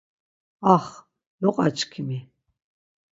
Ax, loqaçkimi.